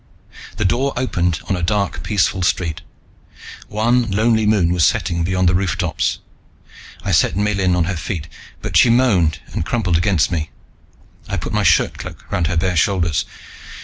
The door opened on a dark, peaceful street. One lonely moon was setting beyond the rooftops. I set Miellyn on her feet, but she moaned and crumpled against me. I put my shirtcloak around her bare shoulders.